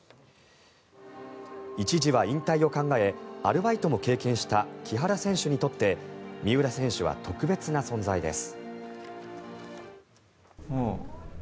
一時は引退を考えアルバイトも経験した木原選手にとって三浦選手は特別な存在です。